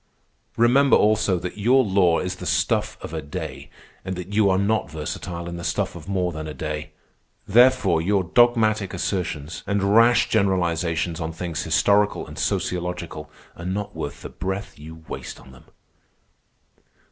Remember, also, that your law is the stuff of a day, and that you are not versatile in the stuff of more than a day. Therefore your dogmatic assertions and rash generalizations on things historical and sociological are not worth the breath you waste on them."